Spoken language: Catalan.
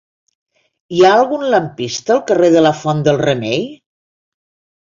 Hi ha algun lampista al carrer de la Font del Remei?